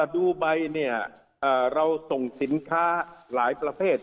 ดูใบเนี่ยเราส่งสินค้าหลายประเภท